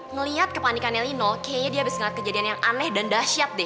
ngeliat kepanikan nellie nol kayaknya dia habis ngeliat kejadian yang aneh dan dahsyat deh